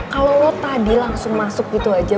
kalau lo tadi langsung masuk gitu aja